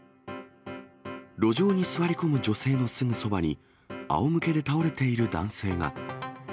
路上に座り込む女性のすぐそばに、あおむけで倒れている男性が。